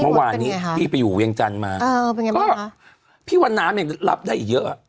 เมื่อวานนี้พี่ไปอยู่เวียงจันทร์มาก็พี่วันน้ำยังรับได้อีกเยอะอ่ะ